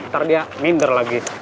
ntar dia minder lagi